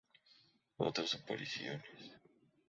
Otras Apariciones